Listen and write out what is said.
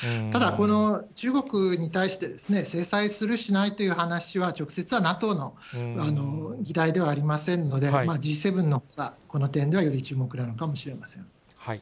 ただ、この中国に対して、制裁する、しないという話は、直接はＮＡＴＯの議題ではありませんので、Ｇ７がこの点では注目なのかもしれません。